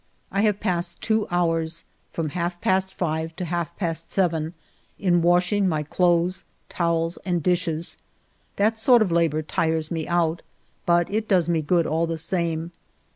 I have passed two hours, from half past five to half past seven, in washing my clothes, towels, and dishes. That sort of labor tires me out, but it does me good all the same.